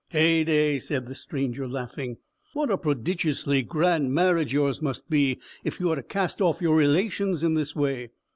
"Heyday!" said the stranger, laughing, "what a prodigiously grand marriage yours must be, if you are to cast off your relations in this way!